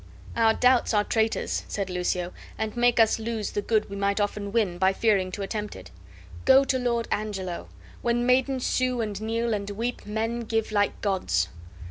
"Our doubts are traitors," said Lucio, "and make us lose the good we might often win, by fearing to attempt it. Go to Lord Angelo! When maidens sue and kneel and weep men give like gods."